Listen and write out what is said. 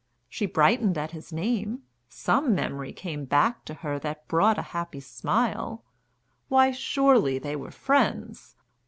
She brightened at his name, some memory Came back to her that brought a happy smile Why surely they were friends!